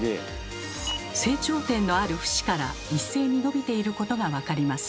成長点のある節から一斉に伸びていることが分かります。